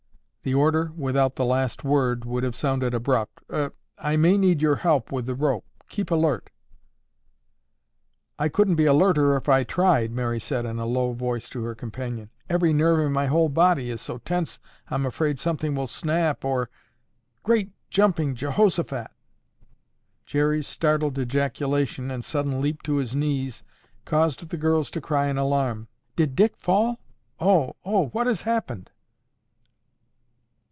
The order, without the last word, would have sounded abrupt. "Er—I may need your help with the rope. Keep alert." "I couldn't be alerter if I tried," Mary said in a low voice to her companion. "Every nerve in my whole body is so tense I'm afraid something will snap or—" "Great Jumping Jehoshaphat!" Jerry's startled ejaculation and sudden leap to his knees caused the girls to cry in alarm, "Did Dick fall? Oh! Oh! What has happened?"